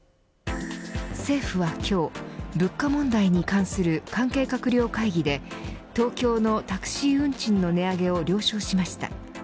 政府は今日、物価問題に関する関係閣僚会議で東京のタクシー運賃の値上げを了承しました。